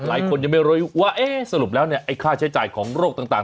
หลายคนยังไม่รู้ว่าเอ๊ะสรุปแล้วเนี่ยไอ้ค่าใช้จ่ายของโรคต่าง